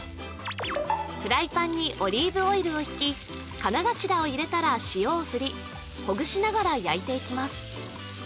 フライパンにオリーブオイルをひきかながしらを入れたら塩を振りほぐしながら焼いていきます